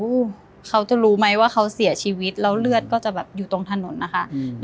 เขาจะรู้ไหมว่าเขาเสียชีวิตแล้วเลือดก็จะแบบอยู่ตรงถนนนะคะอืม